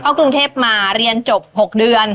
กรุงเทพมาเรียนจบ๖เดือน